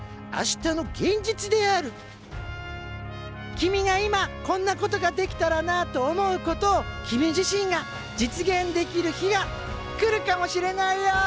君が今こんなことができたらなと思うことを君自身が実現できる日が来るかもしれないよ。